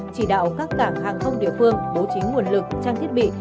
chỉ đạo các cảng hàng không địa phương bố trí nguồn lực trang thiết bị